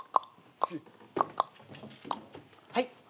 はい。